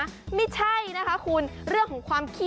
ตรงพี่นั่งหนูมีมั้ยคะ